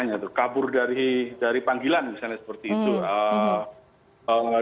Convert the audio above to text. mungkin juga kalau kita melihat itu juga yang membuat polisi akhirnya mengenakan penahanan gitu